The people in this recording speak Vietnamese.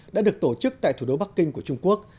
đã được tổ chức tại thủ đô bắc kinh của trung quốc